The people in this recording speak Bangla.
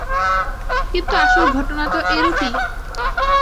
কিন্তু আসল ঘটনা তো এরূপই।